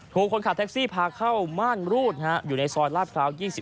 คนขับแท็กซี่พาเข้าม่านรูดอยู่ในซอยลาดพร้าว๒๑